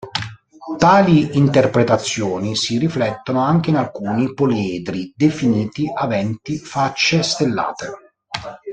Tali interpretazioni si riflettono anche in alcuni poliedri definiti aventi facce stellate.